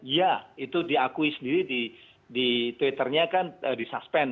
ya itu diakui sendiri di twitternya kan di suspend